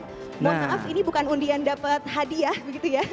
mohon maaf ini bukan undian dapat hadiah begitu ya